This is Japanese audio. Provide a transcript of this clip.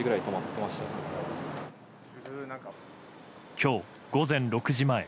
今日午前６時前。